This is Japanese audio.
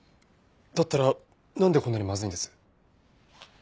だったらなんでこんなにまずいんです？